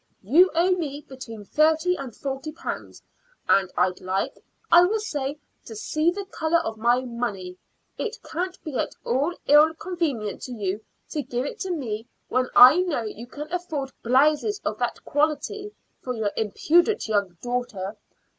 You owe me between thirty and forty pounds, and I'd like, I will say, to see the color of my money. It can't be at all ill convenient to you to give it to me when you can afford blouses of that quality for your impudent young daughter.